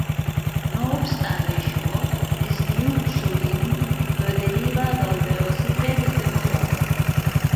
No obstant això, es diu sovint que deriva del velocíped de motor.